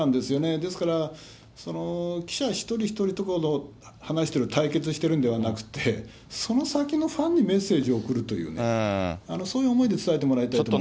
ですから、記者一人一人と話してる、対決してるんではなくて、その先のファンにメッセージを送るというね、そういう思いで伝えてもらいたいと思いますね。